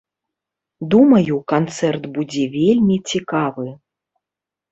Думаю, канцэрт будзе вельмі цікавы.